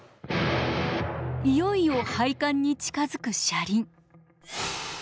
いよいよ配管に近づく車輪。